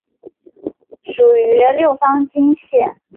属六方晶系。